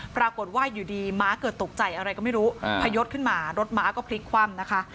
ปรากฏว่าอยู่ดีม้าเกิดตกใจอะไรก็ไม่รู้พยศขึ้นมารถม้าก็พลิกคว่ำนะคะ